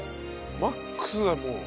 マックスだもう。